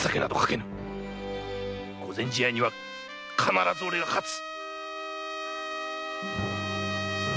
御前試合には必ず俺が勝つ！